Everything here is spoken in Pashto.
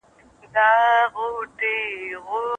سپین سرې وویل چې د ځونډي لور مې غوښتې ده.